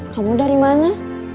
kamu dari mana